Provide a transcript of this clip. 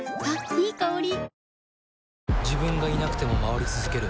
いい香り。